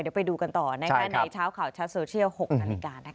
เดี๋ยวไปดูกันต่อในเช้าข่าวชัดโซเชียล๖นาฬิกา